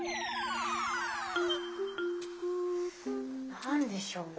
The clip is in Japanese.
何でしょうね？